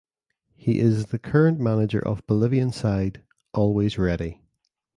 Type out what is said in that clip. He is the current manager of Bolivian side Always Ready.